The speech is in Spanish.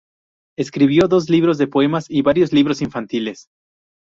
Escribió dos libros de poemas y varios libros infantiles.